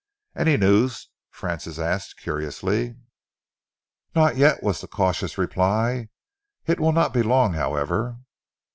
"Any news?" Francis asked curiously. "Not yet," was the cautious reply. "It will not be long, however."